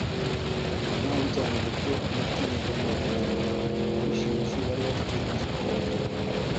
nabi cyane mubyo natinyaga nabimenye. Ba rushimusi bari bafite inzu kandi